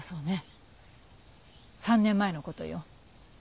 ３年前の事よ。